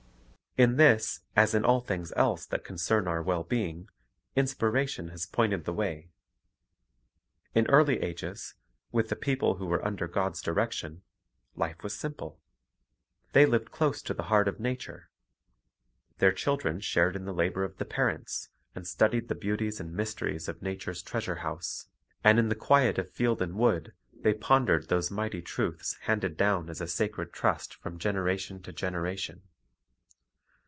In this, as in all things else that concern our well being, Inspiration has pointed the way. In earl)' ages, with the people who were under God's direction, life was simple. They lived close to the heart of nature. Their children shared in the labor of the parents, and studied the beauties and mysteries of nature's treasure house. And in the quiet of field and wood they pon dered those mighty truths handed down as a sacred trust from generation to generation.